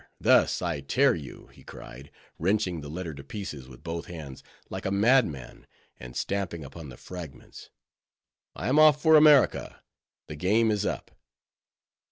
thus I tear you," he cried, wrenching the letter to pieces with both hands like a madman, and stamping upon the fragments. "I am off for America; the game is up."